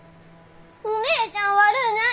お姉ちゃん悪うない！